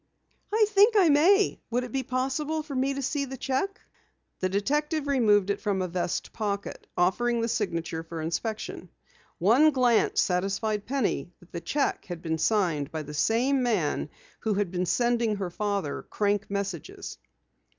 "I think I may. Would it be possible for me to see the cheque?" The detective removed it from a vest pocket, offering the signature for inspection. One glance satisfied Penny that the cheque had been signed by the same man who had been sending her father "crank" messages.